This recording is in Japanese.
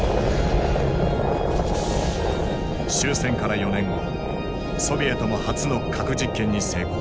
終戦から４年後ソビエトも初の核実験に成功。